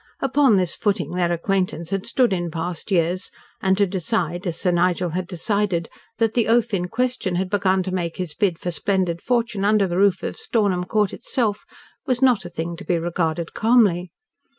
Upon this footing their acquaintance had stood in past years, and to decide as Sir Nigel had decided that the oaf in question had begun to make his bid for splendid fortune under the roof of Stornham Court itself was a thing not to be regarded calmly.